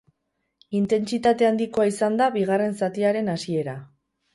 Intentsitate handikoa izan da bigarren zatiaren hasiera.